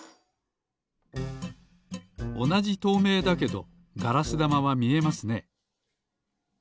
おなじとうめいだけどガラスだまはみえますね。